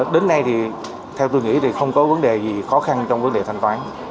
đến nay thì theo tôi nghĩ thì không có vấn đề gì khó khăn trong vấn đề thanh toán